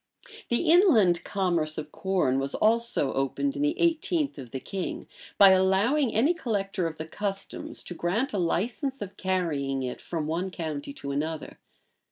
The inland commerce of corn was also opened in the eighteenth of the king, by allowing any collector of the customs to grant a license of carrying it from one county to another.